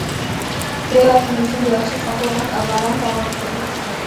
پرېوتم، د سیند د وحشي څپو غږ او باران ته غوږ شوم.